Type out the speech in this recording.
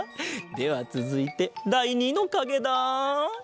ではつづいてだい２のかげだ。